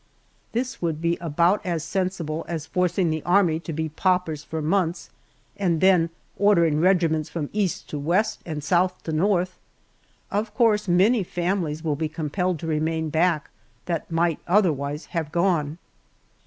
This would be about as sensible as forcing the Army to be paupers for months, and then ordering regiments from East to West and South to North. Of course many families will be compelled to remain back, that might otherwise have gone.